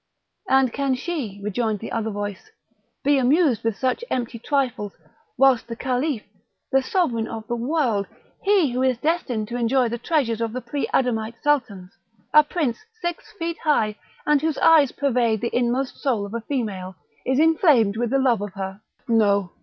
"And can she," rejoined the other voice, "be amused with such empty trifles, whilst the Caliph, the sovereign of the world, he who is destined to enjoy the treasures of the pre adamite Sultans, a prince six feet high, and whose eyes pervade the inmost soul of a female, is inflamed with the love of her. No!